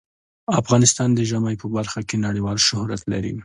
افغانستان د ژمی په برخه کې نړیوال شهرت لري.